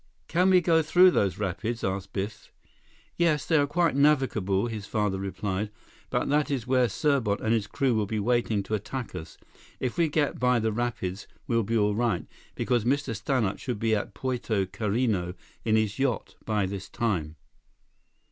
"Can we go through those rapids?" asked Biff. "Yes, they are quite navigable," his father replied, "but that is where Serbot and his crew will be waiting to attack us. If we get by the rapids, we'll be all right, because Mr. Stannart should be at Puerto Carreno in his yacht, by this time."